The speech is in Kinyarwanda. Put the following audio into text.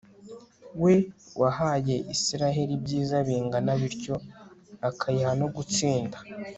we wahaye israheli ibyiza bingana bityo, akayiha no gutsinda